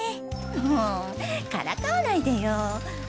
もうからかわないでよ。